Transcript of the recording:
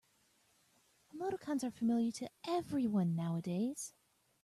Emoticons are familiar to everyone nowadays.